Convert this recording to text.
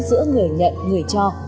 giữa người nhận người cho